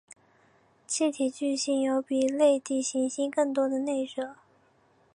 气体巨星有比类地行星更多的内热。